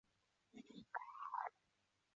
经纪公司隶属于。